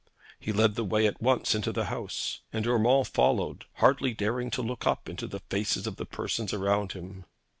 He led the way at once into the house, and Urmand followed, hardly daring to look up into the faces of the persons around him.